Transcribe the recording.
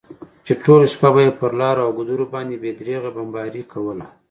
چې ټوله شپه به یې پر لارو او ګودرو باندې بې درېغه بمباري کوله.